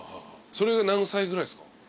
それが何歳ぐらいすか？